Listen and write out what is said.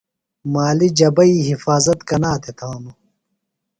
مالی جبئی حِفاظت کنا تھےۡ تھانوۡ ؟